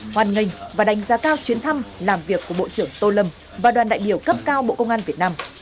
hoàn ngành và đánh giá cao chuyến thăm làm việc của bộ trưởng tô lâm và đoàn đại biểu cấp cao bộ công an việt nam